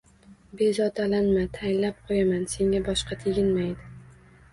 – Bezovtalanma, tayinlab qo‘yaman, senga boshqa teginmaydi